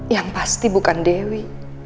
yang pasti bukan dewi